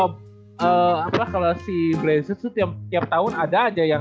eee apa lah kalau si blazers tuh tiap tahun ada aja yang